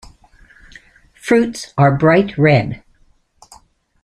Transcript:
Fruits are bright red.